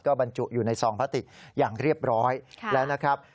บรรจุอยู่ในซองพลาติกอย่างเรียบร้อยแล้วนะครับ